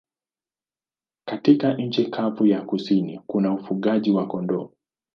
Katika nchi kavu ya kusini kuna ufugaji wa kondoo.